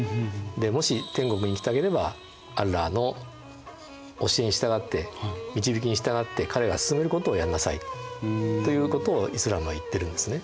もし天国にいきたければアッラーの教えに従って導きに従って彼が勧めることをやんなさいということをイスラームはいってるんですね。